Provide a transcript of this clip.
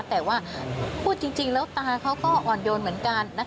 แต่ว่าพูดจริงแล้วตาเขาก็อ่อนโยนเหมือนกัน